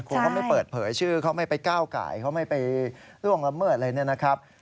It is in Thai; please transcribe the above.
คงไม่เปิดเผยชื่อเขาไม่ไปก้าวไก่เขาไม่ไปล่วงลำเมิดเลยนะครับ